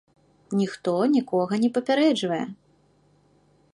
Ніхто нікога не папярэджвае.